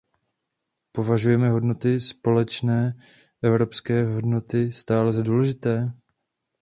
Považujeme hodnoty, společné evropské hodnoty, stále za důležité?